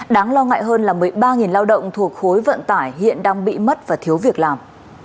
đáng lo ngại hơn là một mươi ba lao động thuộc khối vận tải hiện đang bị mất và thiếu việc làm